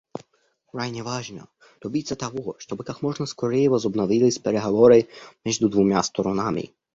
Крайне важно добиться того, чтобы как можно скорее возобновились переговоры между двумя сторонами.